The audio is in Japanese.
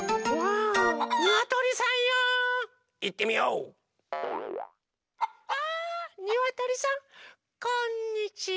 あにわとりさんこんにちは！